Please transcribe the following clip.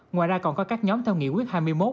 ngoài ra còn có các nhóm theo nghị quyết hai mươi một